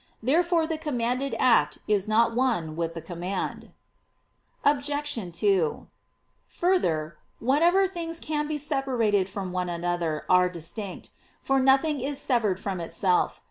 Therefore the commanded act is not one with the command. Obj. 2: Further, whatever things can be separate from one another, are distinct: for nothing is severed from itself.